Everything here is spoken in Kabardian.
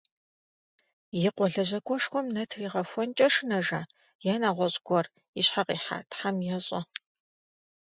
И къуэ лэжьакӀуэшхуэм нэ тригъэхуэнкӀэ шынэжа, е нэгъуэщӀ гуэр и щхьэ къихьа, Тхьэм ещӏэ.